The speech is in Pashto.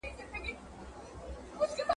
له ازله د انسان د لاس مریی وو `